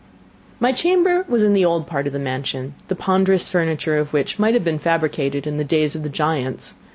My chamber was in the old part of the mansion, the ponderous furniture of which might have been fabricated in the days of the giants.